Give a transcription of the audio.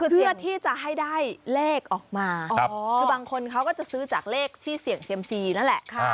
เพื่อที่จะให้ได้เลขออกมาคือบางคนเขาก็จะซื้อจากเลขที่เสี่ยงเซียมซีนั่นแหละ